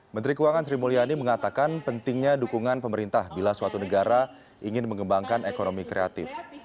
menteri keuangan sri mulyani mengatakan pentingnya dukungan pemerintah bila suatu negara ingin mengembangkan ekonomi kreatif